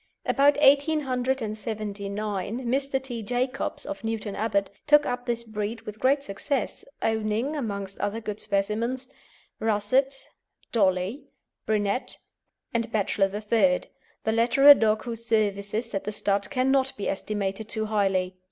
About 1879 Mr. T. Jacobs, of Newton Abbot, took up this breed with great success, owning, amongst other good specimens, Russett, Dolly, Brunette, and Bachelor III., the latter a dog whose services at the stud cannot be estimated too highly.